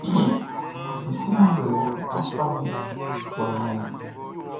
Mʼsiman wlele nan fami waya ehe.